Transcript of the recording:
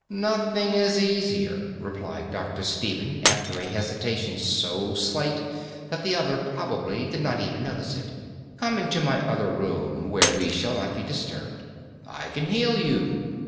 "Nothing is easier," replied Dr. Stephen, after a hesitation so slight that the other probably did not even notice it. "Come into my other room where we shall not be disturbed. I can heal you.